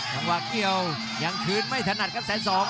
จังหวะเกี่ยวยังคืนไม่ถนัดครับแสนสอง